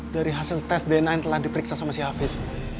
dari hasil tes dna yang telah diperiksa sama si hafid